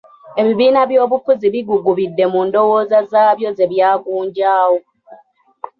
Ebibiina by'obufuzi bigugubidde mu ndowooza zaabyo ze byagunjaawo.